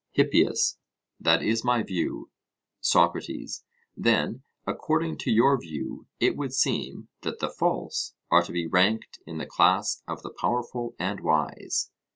HIPPIAS: That is my view. SOCRATES: Then, according to your view, it would seem that the false are to be ranked in the class of the powerful and wise?